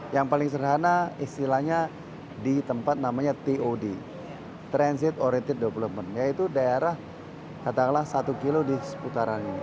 yang paling sederhana istilahnya di tempat namanya tod transit orited development yaitu daerah katakanlah satu kilo di seputaran ini